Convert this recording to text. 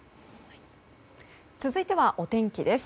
続いてはお天気です。